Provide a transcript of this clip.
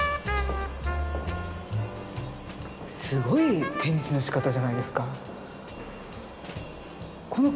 すごい展示のしかたじゃないですか。